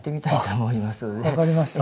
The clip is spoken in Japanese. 分かりました。